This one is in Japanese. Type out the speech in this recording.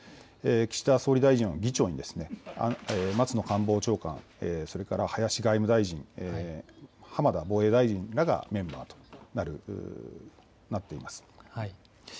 岸田総理大臣を議長に松野官房長官、林外務大臣、浜田防衛大臣らがメンバーとなっています。